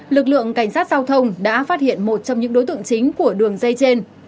lực lượng cảnh sát giao thông đã phát hiện một trong những đối tượng chính của đường dây trên